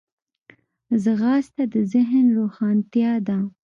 ځغاسته د ذهن روښانتیا ده